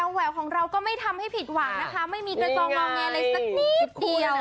แหววของเราก็ไม่ทำให้ผิดหวังนะคะไม่มีกระจองงอแงอะไรสักนิดเดียว